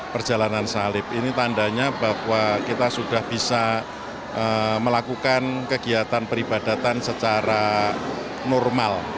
perjalanan salib ini tandanya bahwa kita sudah bisa melakukan kegiatan peribadatan secara normal